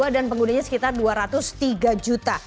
dan penggunanya sekitar dua ratus tiga juta